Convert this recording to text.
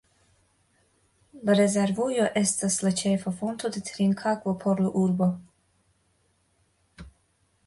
La rezervujo estas la ĉefa fonto de trinkakvo por la urbo.